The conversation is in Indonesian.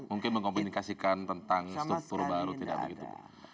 mungkin mengkomunikasikan tentang struktur baru tidak begitu